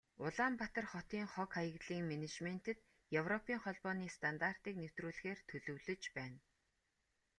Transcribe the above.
Улаанбаатар хотын хог, хаягдлын менежментэд Европын Холбооны стандартыг нэвтрүүлэхээр төлөвлөж байна.